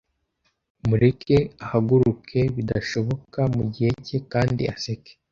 mureke ahaguruke bidashoboka mu gihe cye kandi aseke